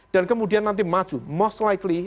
dan kemudian nanti maju most likely